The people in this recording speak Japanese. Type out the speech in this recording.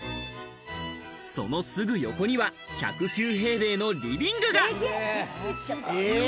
そのすぐ横には、１０９平米のリビングが。